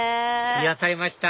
癒やされました